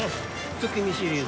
月見シリーズや。